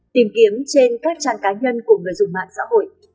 tìm kiếm trên các trang cá nhân của người dùng mạng xã hội